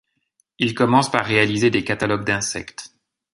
Il commence par réaliser des catalogues d'insectes.